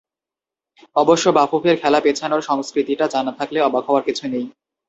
অবশ্য বাফুফের খেলা পেছানোর সংস্কৃতিটা জানা থাকলে অবাক হওয়ার কিছু নেই।